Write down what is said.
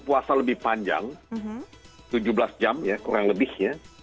puasa lebih panjang tujuh belas jam ya kurang lebih ya